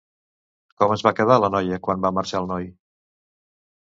Com es va quedar la noia quan va marxar el noi?